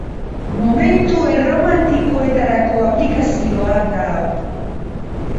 Momentu erromantikoetarako aplikazioa da hau.